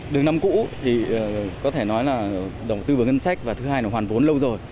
đường năm cũ thì có thể nói là đầu tư vào ngân sách và thứ hai là hoàn vốn lâu rồi